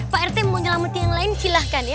pak rt mau nyelamat yang lain silahkan ya